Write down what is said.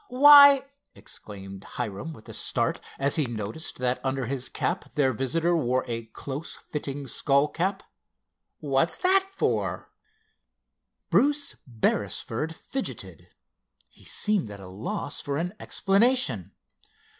"Why," exclaimed Hiram with a start, as he noticed that under his cap their visitor wore a close fitting skull cap—"what's that for?" Bruce Beresford fidgeted. He seemed at a loss for an explanation.